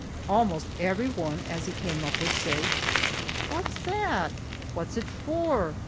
Almost every one as he came up would say, "What's that? What's it for?